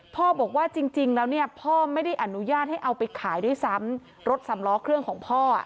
บอกว่าจริงจริงแล้วเนี่ยพ่อไม่ได้อนุญาตให้เอาไปขายด้วยซ้ำรถสำล้อเครื่องของพ่ออ่ะ